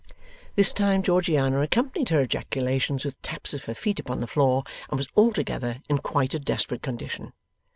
This time Georgiana accompanied her ejaculations with taps of her feet upon the floor, and was altogether in quite a desperate condition.